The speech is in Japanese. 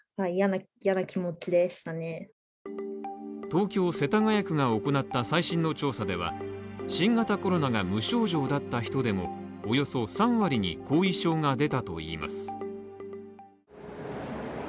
東京・世田谷区が行った最新の調査では新型コロナが無症状だった人でもおよそ３割に後遺症が出たといいます。